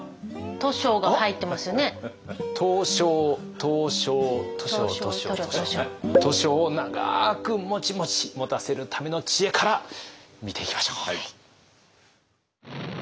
図書をながくモチモチもたせるための知恵から見ていきましょう。